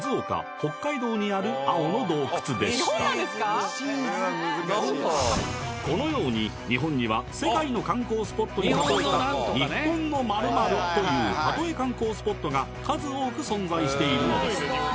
北海道にある青の洞窟でしたこのように日本には世界の観光スポットにたとえた「日本の○○」というたとえ観光スポットが数多く存在しているんです